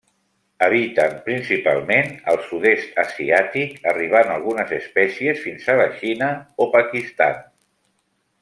Habiten principalment al sud-est asiàtic, arribant algunes espècies fins a la Xina o Pakistan.